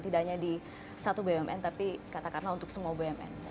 tidak hanya di satu bumn tapi katakanlah untuk semua bumn